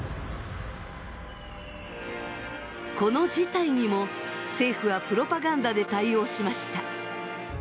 この事態にも政府はプロパガンダで対応しました。